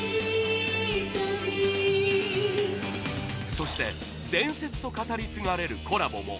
そして伝説と語り継がれるコラボも！